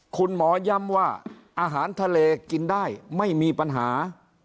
คุณหมอย้ำว่าอาหารทะเลกินได้ไม่มีปัญหา